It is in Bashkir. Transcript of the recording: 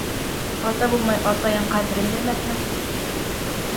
Ата булмай атайың ҡәҙерен белмәҫһең